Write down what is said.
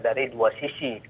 dari dua sisi